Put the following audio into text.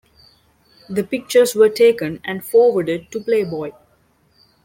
The pictures were taken and forwarded to "Playboy".